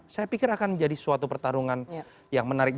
saya pikir akan menjadi suatu pertarungan yang menarik